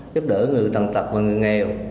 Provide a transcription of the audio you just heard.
giúp đỡ người tầm tập và người nghèo